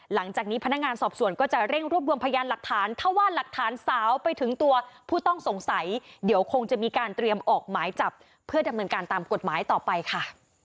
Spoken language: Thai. หลังจากนี้พนักงานสอบสวนก็จะเร่งรวบรวมพยานหลักฐานถ้าว่าหลักฐานสาวไปถึงตัวผู้ต้องสงสัยเดี๋ยวคงจะมีการเตรียมออกหมายจับเพื่อดำเนินการตามกฎหมายต่อไปค่ะ